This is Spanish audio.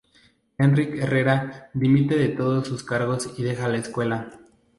Enric Herrera dimite de todos sus cargos y deja la escuela.